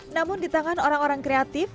namun di tangan orang orang kreatif